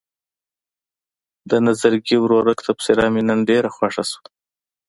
د نظرګي ورورک تبصره مې نن ډېره خوښه شوه.